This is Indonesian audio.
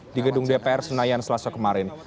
di gedung dpr senayan selasa kemarin